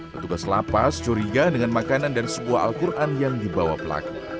petugas lapas curiga dengan makanan dan sebuah al quran yang dibawa pelaku